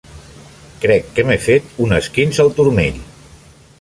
Crec que m'he fet un esquinç al turmell.